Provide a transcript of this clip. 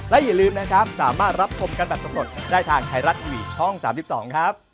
และอย่าลืมนะครับสามารถรับชมกันแบบสำรวจได้ทางไทยรัฐทีวีช่อง๓๒ครับ